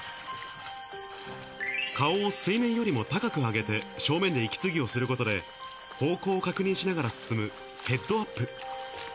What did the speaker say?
顔を水面よりも高く上げて正面で息継ぎをすることで、方向を確認しながら進むヘッドアップ。